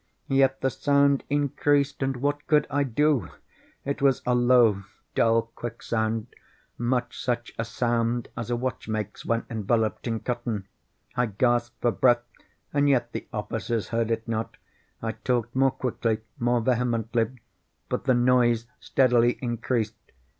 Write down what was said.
Yet the sound increased—and what could I do? It was a low, dull, quick sound—much such a sound as a watch makes when enveloped in cotton. I gasped for breath—and yet the officers heard it not. I talked more quickly—more vehemently; but the noise steadily increased.